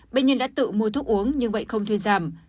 bệnh nhân đã tự mua thuốc uống nhưng vậy không thuyên giảm